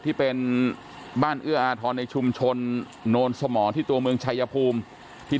ที่เป็นบ้านเอื้ออาทรในชุมชนโนนสมอที่ตัวเมืองชายภูมิที่